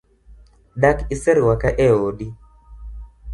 Dak iseruaka e odi?